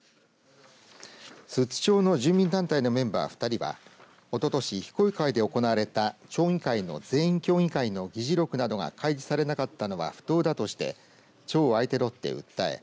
寿都町の住民団体のメンバー２人はおととし、非公開で行われた町議会の全員協議会の議事録などが開示されなかったのは不当だとして町を相手取って訴え